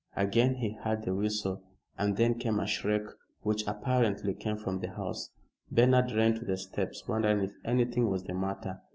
Again he heard the whistle, and then came a shriek which apparently came from the house. Bernard ran to the steps, wondering if anything was the matter.